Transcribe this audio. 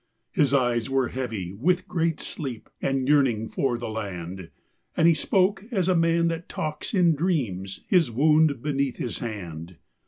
His eyes were heavy with great sleep and yearning for the land, And he spoke as a man that talks in dreams, his wound beneath his hand.